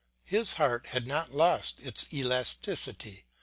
His heart had not lost its elasticity.